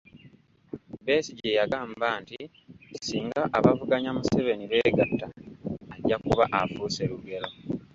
Besigye yagamba nti singa abavuganya Museveni beegatta, ajja kuba afuuse lugero